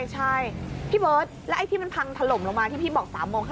ใช่พี่เบิร์ตแล้วไอ้ที่มันพังถล่มลงมาที่พี่บอก๓โมง๕